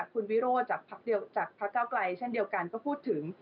คุณวิโรธจากพระเก้าไกลเช่นเดียวกันก็พูดถึง